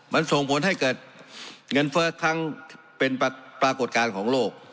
มันส่งผลให้เกิดเงินเฟ้อครั้งเป็นปรากฏการณ์ของโลก